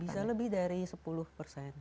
bisa lebih dari sepuluh persen